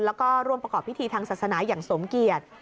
แล้วก็ร่วมประกอบพิธีทางศาสนาอย่างสมเกียจ